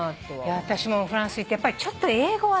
いやー私もフランス行ってやっぱりちょっと英語はね